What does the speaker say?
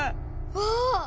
わあ！